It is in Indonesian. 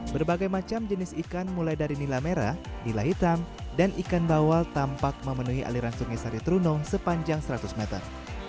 berbagai macam jenis ikan mulai dari nila merah nila hitam dan ikan bawal tampak memenuhi aliran sungai sari truno sepanjang seratus meter